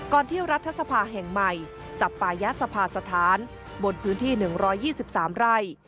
ที่รัฐสภาแห่งใหม่สัปปายสภาสถานบนพื้นที่๑๒๓ไร่